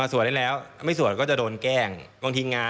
สวดได้แล้วไม่สวดก็จะโดนแกล้ง